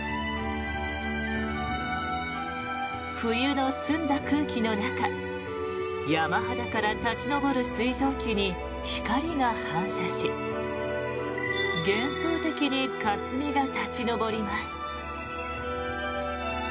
冬の澄んだ空気の中山肌から立ち上る水蒸気に光が反射し幻想的にかすみが立ち上ります。